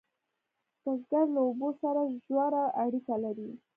بزګر له اوبو سره ژوره اړیکه لري